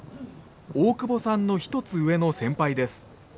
大久保さんの１つ上の先輩です。